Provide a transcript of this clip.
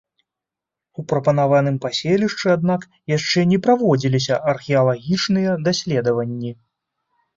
У прапанаваным паселішчы, аднак, яшчэ не праводзіліся археалагічныя даследаванні.